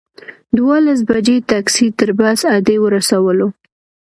دولس بجې ټکسي تر بس اډې ورسولو.